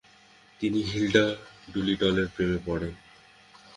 তিনি হিলডা ডুলিটলের প্রেমে পড়েন।